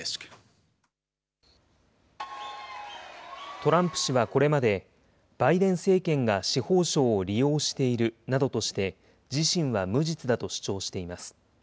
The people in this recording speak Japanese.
トランプ氏はこれまで、バイデン政権が司法省を利用しているなどとして、自身は無実だと主張しています。